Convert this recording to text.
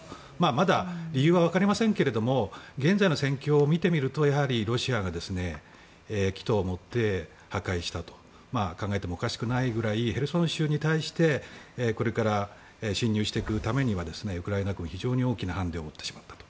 まだ理由はわかりませんが現在の戦況を見てみるとやはりロシアが企図をもって破壊したと考えてもおかしくないぐらいヘルソン州に対してこれから侵入していくためにはウクライナ軍、非常に大きなハンディを負ってしまったと。